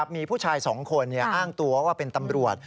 มีผู้ชาย๒คนอ้างตัวว่าเป็นตำรวจ